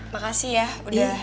makasih ya udah